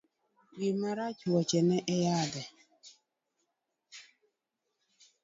Gima rach, wuoche ne e yadhe.